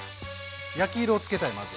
焼き色を付けたいまずは。